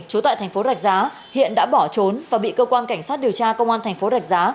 chú tại tp rạch giá hiện đã bỏ trốn và bị cơ quan cảnh sát điều tra công an tp rạch giá